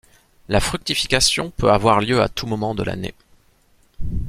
La fructification peut avoir lieu à tout moment de l'année.